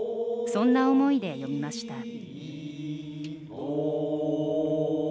そんな思いで詠みました。